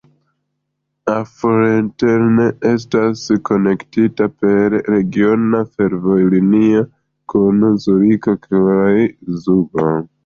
Affoltern estas konektita per regiona fervojlinio kun Zuriko kaj Zugo.